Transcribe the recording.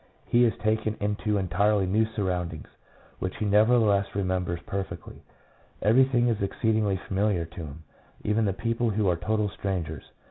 He is taken into entirely new surroundings, which he nevertheless remembers perfectly ; everything is ex ceedingly familiar to him, even the people who are total strangers.